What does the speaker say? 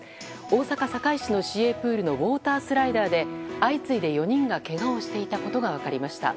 大阪・堺市の市営プールのウォータースライダーで相次いで４人がけがをしていたことが分かりました。